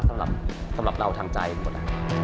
สำหรับเราทางใจหมด